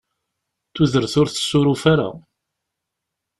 Tudert ur tessuruf ara.